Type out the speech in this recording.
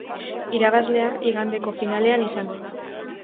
Irabazlea igandeko finalean izango da.